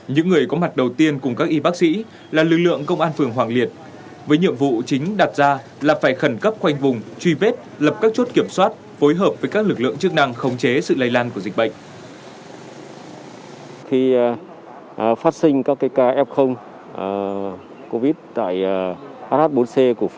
những người có mặt đầu tiên cùng các y bác sĩ là lực lượng công an phường hoàng liệt với nhiệm vụ chính đặt ra là phải khẩn cấp quanh vùng truy vết lập các chốt kiểm soát phối hợp với các lực lượng chức năng khống chế sự lây lan của dịch bệnh